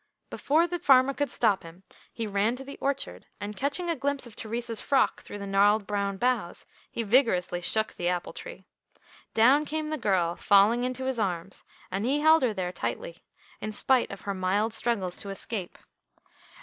EFORE the farmer could stop him he ran to the orchard, and catching a glimpse of Theresa's frock through the gnarled brown boughs, he vigorously shook the apple tree. Down came the girl, falling into his arms, and he held her there tightly, in spite of her mild struggles to escape.